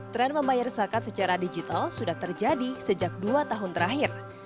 tren membayar zakat secara digital sudah terjadi sejak dua tahun terakhir